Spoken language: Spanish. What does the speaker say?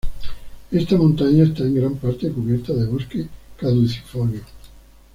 Esta montaña esta en gran parte cubierta de bosque caducifolio.